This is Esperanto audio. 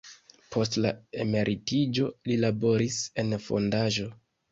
Post la emeritiĝo li laboris en fondaĵo.